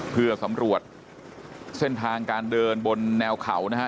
เพื่อสำรวจเส้นทางการเดินบนแนวเขานะฮะ